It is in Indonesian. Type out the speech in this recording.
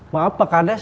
masa harus saya terus